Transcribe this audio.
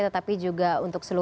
tetapi juga untuk seluruh